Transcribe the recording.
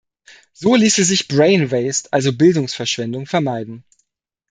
So ließe sich "Brain Waste", also Bildungsverschwendung, vermeiden.